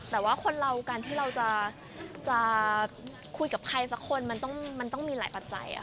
แต่ว่าคนเราการที่เราจะคุยกับใครสักคนมันต้องมีหลายปัจจัย